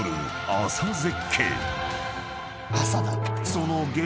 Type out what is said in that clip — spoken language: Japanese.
［その激